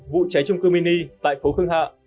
vụ cháy chung cư mini tại phố khương hạ